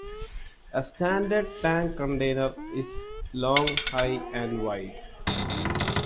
A standard tank container is long, high and wide.